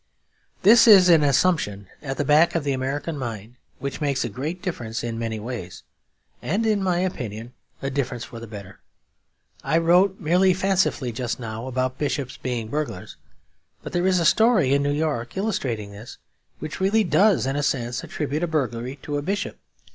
This is an assumption at the back of the American mind which makes a great difference in many ways; and in my opinion a difference for the better. I wrote merely fancifully just now about bishops being burglars; but there is a story in New York, illustrating this, which really does in a sense attribute a burglary to a bishop.